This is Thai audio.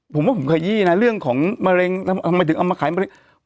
ผมว่าผมขยี้นะเรื่องของมะเร็งทำไมถึงเอามาขายมะเร็ง